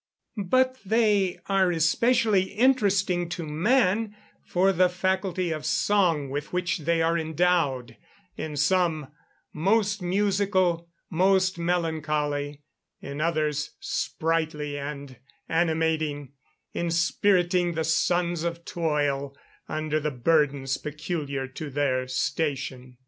But they are especially interesting to man for the faculty of song with which they are endowed; in some, "most musical, most melancholy," in others, sprightly and animating, inspiriting the sons of toil under the burdens peculiar to their station.